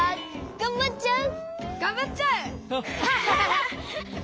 がんばっちゃう！